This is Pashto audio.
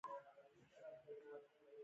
د افغانستان په منظره کې زردالو ښکاره ده.